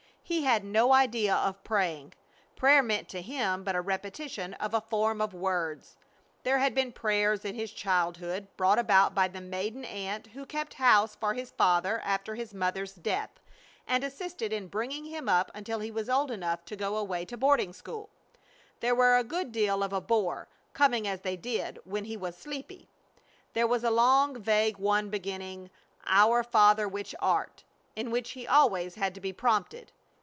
He had no idea of praying. Prayer meant to him but a repetition of a form of words. There had been prayers in his childhood, brought about by the maiden aunt who kept house for his father after his mother's death, and assisted in bringing him up until he was old enough to go away to boarding school. They were a good deal of a bore, coming as they did when he was sleepy. There was a long, vague one beginning, "Our Father which art," in which he always had to be prompted.